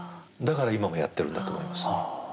だから今もやってるんだと思います。